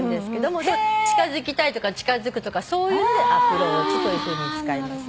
近づきたいとか近づくとかそういうのでａｐｐｒｏａｃｈというふうに使いますね。